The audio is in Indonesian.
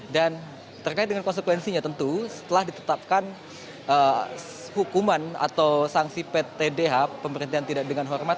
dan terkait dengan konsekuensinya tentu setelah ditetapkan hukuman atau sanksi ptdh pemberhentian tidak dengan hormat